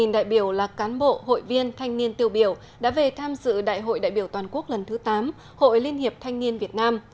một đại biểu là cán bộ hội viên thanh niên tiêu biểu đã về tham dự đại hội đại biểu toàn quốc lần thứ tám hội liên hiệp thanh niên việt nam